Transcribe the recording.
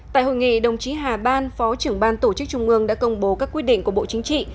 tại hội nghị đồng chí hà ban phó trưởng ban tổ chức trung ương đã công bố các quyết định của bộ chính trị